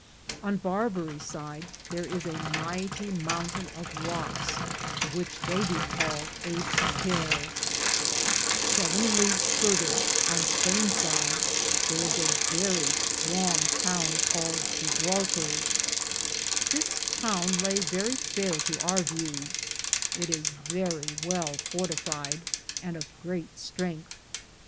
On Barbaric side Thar is a myghtie mountayn of Rockes, the which theye do call Ape hill.^ 7 Leages further, on Spayne side, thar is a verrie strone (strong) towne Caled Jebbatore.^ This towne Lay verrie fayer to our vew. It is verrie well fortified, and of greate strengthe.